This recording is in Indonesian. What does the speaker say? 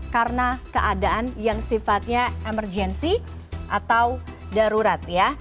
karena keadaan yang sifatnya emergency atau darurat ya